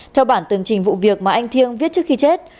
theo bản tường trình vụ việc mà anh thiêng viết trước khi chết